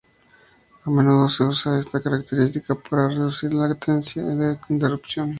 A menudo se usa esta característica para reducir la latencia de interrupción.